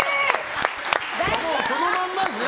そのまんまですね。